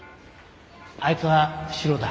あいつはシロだ。